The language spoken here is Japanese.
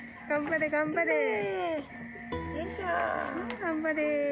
頑張れ頑張れ。